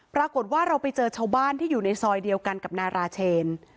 ปรากฏว่าเราไปเจอชาวบ้านที่อยู่ในซอยเดียวกันกับนาราเชน